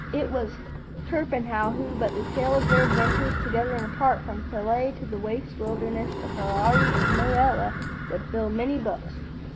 It was Torpenhow who—but the tale of their adventures, together and apart, from Philae to the waste wilderness of Herawi and Muella, would fill many books.